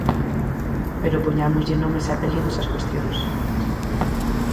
Pero poñámoslle nomes e apelidos ás cuestións.